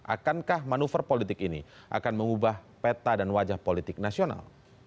akankah manuver politik ini akan mengubah peta dan wajah politik nasional